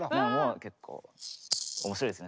結構面白いですね